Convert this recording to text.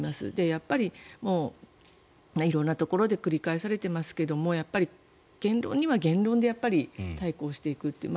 やっぱり、色んなところで繰り返されてますけども言論には言論で対抗していくという。